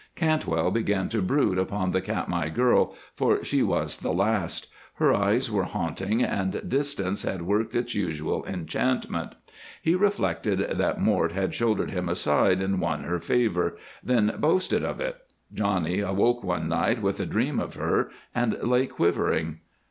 Cantwell began to brood upon the Katmai girl, for she was the last; her eyes were haunting and distance had worked its usual enchantment. He reflected that Mort had shouldered him aside and won her favor, then boasted of it. Johnny awoke one night with a dream of her, and lay quivering.